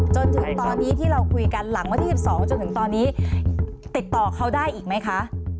จนถึงตอนนี้ที่เราคุยกันหลังวันที่๑๒จนถึงตอนนี้ติดต่อเขาได้อีกไหมคะ